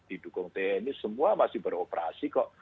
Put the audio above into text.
ini semua masih beroperasi kok